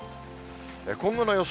今後の予想